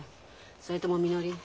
それともみのり